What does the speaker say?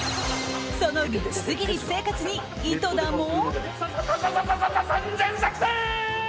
そのリッチすぎる私生活に井戸田も。